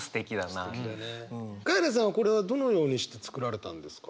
カエラさんはこれはどのようにして作られたんですか？